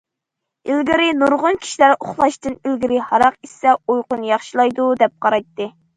ئىلگىرى نۇرغۇن كىشىلەر ئۇخلاشتىن ئىلگىرى ھاراق ئىچسە، ئۇيقۇنى ياخشىلايدۇ، دەپ قارايتتى.